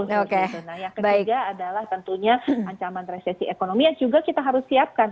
nah yang ketiga adalah tentunya ancaman resesi ekonomi yang juga kita harus siapkan